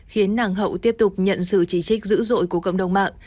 khiến nàng hậu tiếp tục nhận sự chỉ trích dữ dội của cộng đồng mạng